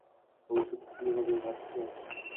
ভবিষ্যতে কি হবে ভাবছো?